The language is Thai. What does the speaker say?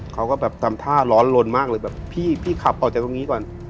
เขาก็แบบทำท่าร้อนลนมากเลยแบบพี่พี่ขับออกจากตรงนี้ก่อน